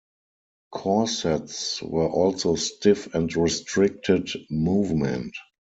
Corsets were also stiff and restricted movement.